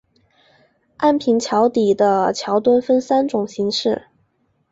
安平桥底的桥墩分三种形式。